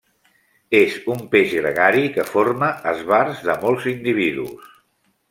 És un peix gregari que forma esbarts de molts individus.